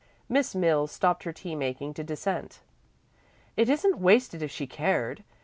Miss Mills stopped her tea making to dissent. "It isn't wasted if she cared.